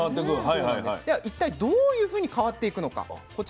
では一体どういうふうに変わっていくのかこちらご覧下さい。